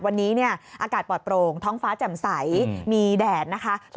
วันนี้เนี่ยอากาศปลอดโปร่งท้องฟ้าแจ่มใสมีแดดนะคะ